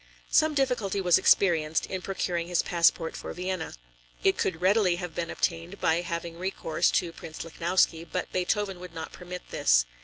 Some difficulty was experienced in procuring his passport for Vienna. It could readily have been obtained by having recourse to Prince Lichnowsky, but Beethoven would not permit this.